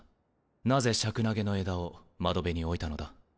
なぜシャクナゲの枝を窓辺に置いたのだ？